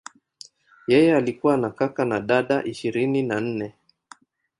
Yeye alikuwa na kaka na dada ishirini na nne.